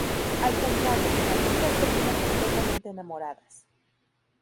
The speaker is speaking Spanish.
Al contrario, las chicas terminan completamente enamoradas.